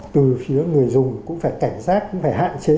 từ phía người dùng cũng phải cảnh giác cũng phải hạn chế